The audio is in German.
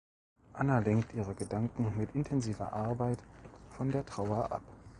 Anna lenkt ihre Gedanken mit intensiver Arbeit von der Trauer ab.